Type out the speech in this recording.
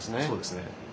そうですね。